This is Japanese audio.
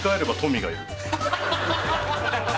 ハハハハ！